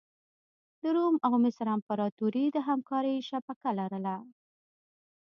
د روم او مصر امپراتوري د همکارۍ شبکه لرله.